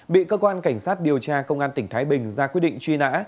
bị cơ quan cảnh sát điều tra công an tỉnh thái bình ra quyết định truy nã